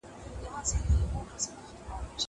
زه مخکي د کتابتون کتابونه لوستي وو!!